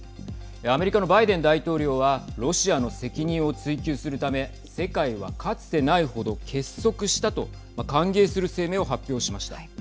アメリカのバイデン大統領はロシアの責任を追及するため世界は、かつてないほど結束したと歓迎する声明を発表しました。